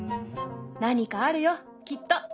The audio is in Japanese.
何かあるよきっと。